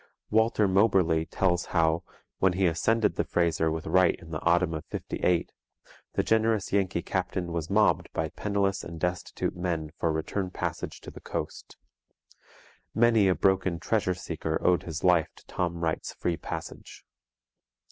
Walter Moberly tells how, when he ascended the Fraser with Wright in the autumn of '58, the generous Yankee captain was mobbed by penniless and destitute men for return passage to the coast. Many a broken treasure seeker owed his life to Tom Wright's free passage.